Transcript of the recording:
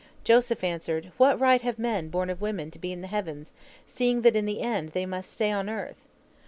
Joseph answered, 'What right have men born of woman to be in the heavens, seeing that in the end they must stay on earth?'